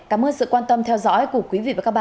cảm ơn sự quan tâm theo dõi của quý vị và các bạn